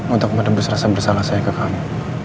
untuk menebus rasa bersalah saya ke kamu